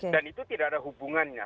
dan itu tidak ada hubungannya